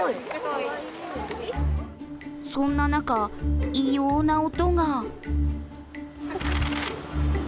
そんな中、異様な音が。